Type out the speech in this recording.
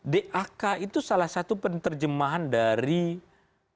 dak itu salah satu penerjemahan dari kegiatan yang kita sebut dengan satuan tiga